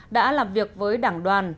đã làm việc với đảng đoàn